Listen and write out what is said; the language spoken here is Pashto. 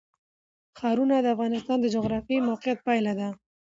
ښارونه د افغانستان د جغرافیایي موقیعت پایله ده.